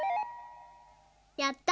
やった。